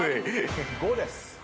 ５です。